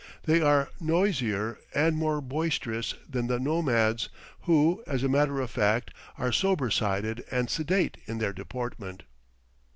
They are noisier and more boisterous than the nomads, who, as a matter of fact, are sober sided and sedate in their deportment.